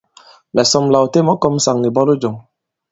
Mɛ̀ sɔm la ɔ têm ɔ kɔ̄m ŋsàŋ nì ìbwalo jɔ̄ŋ.